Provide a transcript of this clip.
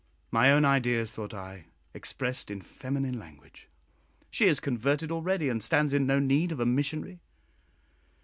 My own ideas, thought I, expressed in feminine language; she is converted already, and stands in no need of a missionary.